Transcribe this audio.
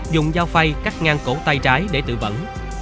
dùng dao phay cắt ngang cổ tay trái để tự vẫn